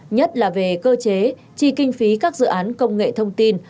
nhất là về cơ chế chi kinh phí các dự án công nghệ thông tin